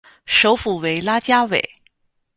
首府为拉加韦。